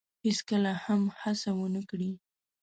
هیڅکله هم هڅه ونه کړی